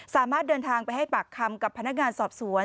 สามารถเดินทางไปให้ปากคำกับพนักงานสอบสวน